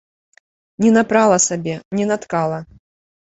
Не напрала сабе, не наткала.